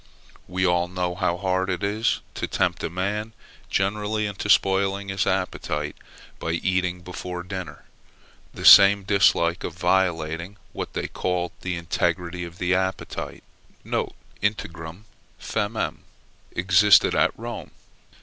We all know how hard it is to tempt a man generally into spoiling his appetite, by eating before dinner. The same dislike of violating what they called the integrity of the appetite, [integram famem,] existed at Rome.